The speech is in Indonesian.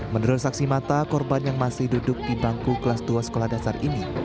menurut saksi mata korban yang masih duduk di bangku kelas dua sekolah dasar ini